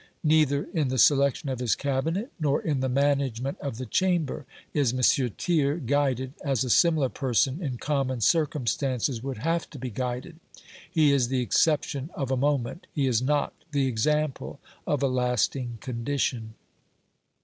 Neither in the selection of his Cabinet nor in the management of the Chamber, is M. Thiers guided as a similar person in common circumstances would have to be guided. He is the exception of a moment; he is not the example of a lasting condition.